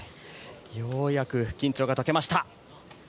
ようやく緊張が解けました。